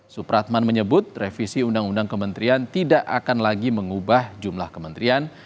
supratman menyebut revisi undang undang kementerian tidak akan lagi mengubah jumlah kementerian